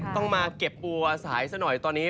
ต้องมาเก็บบัวสายซะหน่อยตอนนี้